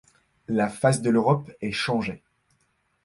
La face de l’Europe est changée.